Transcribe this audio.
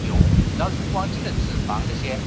有牡丹虾